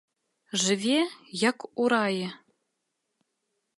Жыве, як у раі.